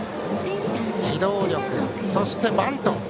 機動力、そしてバント。